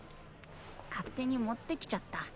勝手に持ってきちゃった。